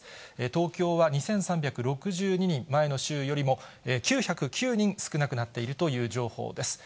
東京は２３６２人、前の週よりも９０９人少なくなっているという情報です。